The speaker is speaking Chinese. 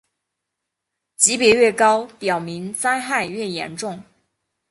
级别越高表明灾害越严重。